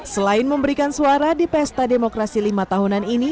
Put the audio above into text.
selain memberikan suara di pesta demokrasi lima tahunan ini